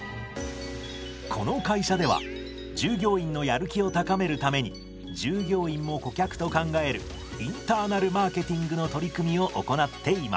この会社では従業員のやる気を高めるために従業員も顧客と考えるインターナル・マーケティングの取り組みを行っています。